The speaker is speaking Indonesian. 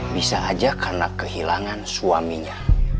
bisa aja karena kehilangan suaminya